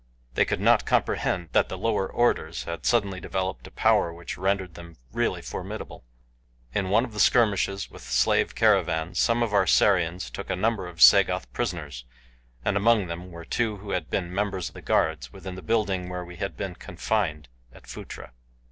They could not comprehend that the lower orders had suddenly developed a power which rendered them really formidable. In one of the skirmishes with slave caravans some of our Sarians took a number of Sagoth prisoners, and among them were two who had been members of the guards within the building where we had been confined at Phutra.